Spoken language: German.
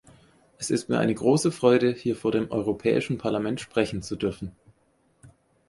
Es ist mir eine große Freude, hier vor dem Europäischen Parlament sprechen zu dürfen.